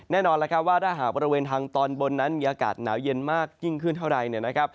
แน่นอนว่าถ้าหาบริเวณทางตอนบนนั้นมีอากาศหนาวเย็นมากยิ่งขึ้นเท่าไหร่